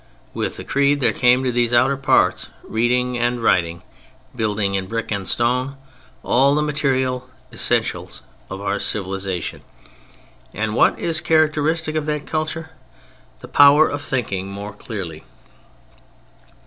With the Creed there came to these outer parts reading and writing, building in brick and stone—all the material essentials of our civilization—and what is characteristic of that culture, the power of thinking more clearly.